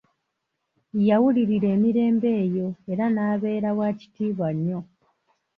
Yaawulirira emirembe eyo era n'abeera wa kitiibwa nnyo.